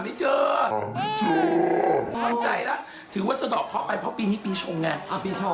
ไม่เจอทำใจแล้วถือว่าสะดอกเคราะห์ไปเพราะปีนี้ปีชงไง